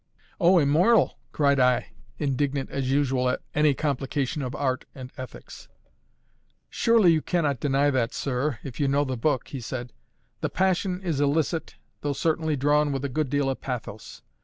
"O, immoral!" cried I, indignant as usual at any complication of art and ethics. "Surely you cannot deny that, sir if you know the book," he said. "The passion is illicit, although certainly drawn with a good deal of pathos.